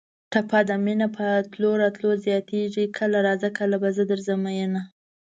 ټپه ده: مینه په تلو راتلو زیاتېږي کله راځه کله به زه درځم مینه